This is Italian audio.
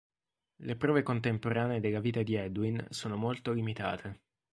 Le prove contemporanee della vita di Edwin sono molto limitate.